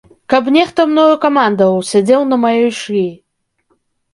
Каб нехта мною камандаваў, сядзеў на маёй шыі.